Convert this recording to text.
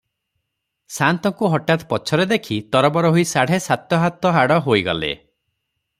ସାଆନ୍ତଙ୍କୁ ହଠାତ୍ ପଛରେ ଦେଖି ତରବର ହୋଇ ସାଢ଼େ ସାତହାତ ଆଡ଼ ହୋଇଗଲେ